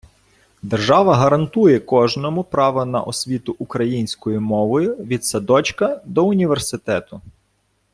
Держава гарантує кожному право на освіту українською мовою від садочка до університету.